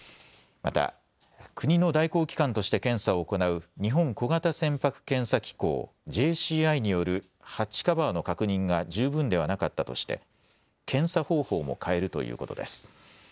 また国の代行機関として検査を行う日本小型船舶検査機構・ＪＣＩによるハッチカバーの確認が十分ではなかったとして検査方法も変えるということです。